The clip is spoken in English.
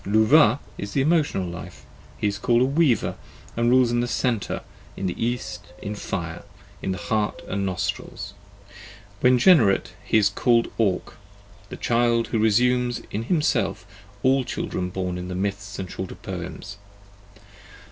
Luvah is the Emotional life ; he is called a Weaver, and rules in the Centre, in the East, in Fire, in the Heart and Nostrils: when " generate " he is called Ore, the child who resumes in himself all children born in the myths and shorter poems.